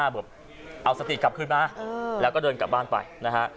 เอาสติกลับขึ้นมาเหรอแล้วก็เดินกลับบ้านไปนะฮะ